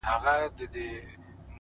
• د کښتۍ مخي ته پورته سول موجونه,